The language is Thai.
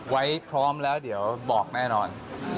ไว้พร้อมแล้วเดี๋ยวบอกแน่นอน